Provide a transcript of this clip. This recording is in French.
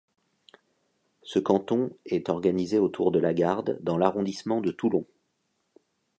Ce canton est organisé autour de La Garde dans l'arrondissement de Toulon.